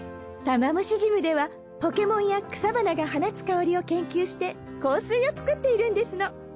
タマムシジムではポケモンや草花が放つ香りを研究して香水を作っているんですの。